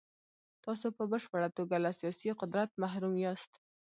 تاسو په بشپړه توګه له سیاسي قدرت محروم یاست.